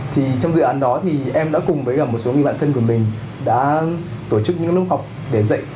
thì trong dự án đó thì em đã cùng với cả một số người bạn thân của mình đã tổ chức những lớp học để dạy